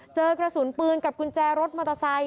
เจอกระสุนปืนกับกุญแจรถมอเตอร์ไซค